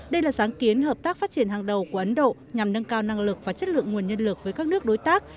đây là sáng kiến hợp tác phát triển hàng đầu của ấn độ nhằm nâng cao năng lực và chất lượng nguồn nhân lực với các nước đối tác